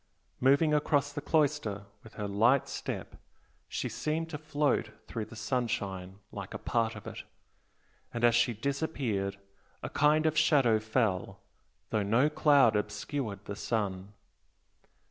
Moving across the cloister with her light step she seemed to float through the sunshine like a part of it, and as she disappeared a kind of shadow fell, though no cloud obscured the sun.